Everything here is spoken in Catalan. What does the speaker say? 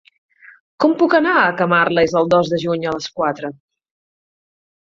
Com puc anar a Camarles el dos de juny a les quatre?